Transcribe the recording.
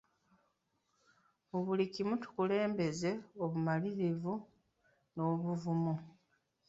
Mu buli kimu tukulembeza bumalirivu nabuvumu.